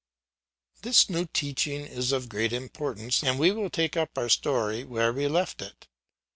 This new teaching is of great importance, and we will take up our story where we left it.